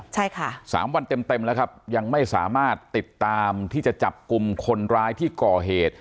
ใช่ค่ะสามวันเต็มเต็มแล้วครับยังไม่สามารถติดตามที่จะจับกลุ่มคนร้ายที่ก่อเหตุ